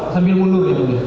sambil mundur dia dulu